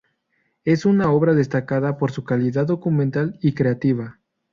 Es una obra destacada por su calidad documental y creativa.